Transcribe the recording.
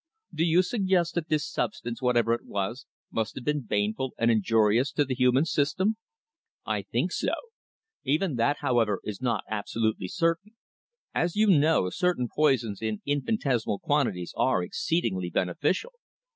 "Do you suggest that this substance, whatever it was, must have been baneful and injurious to the human system?" "I think so. Even that, however, is not absolutely certain. As you know, certain poisons in infinitesimal quantities are exceedingly beneficial."